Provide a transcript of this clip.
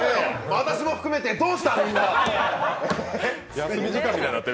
私も含めて、どうしたみんなー！